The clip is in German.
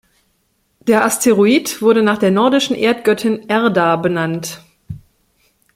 Der Asteroid wurde nach der nordischen Erdgöttin Erda benannt.